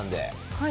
はい。